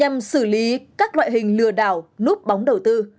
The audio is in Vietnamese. nhằm xử lý các loại hình lừa đảo núp bóng đầu tư